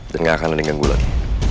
dan gak akan ada yang ganggu lagi